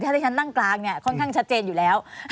ถ้าที่ฉันนั่งกลางเนี่ยค่อนข้างชัดเจนอยู่แล้ว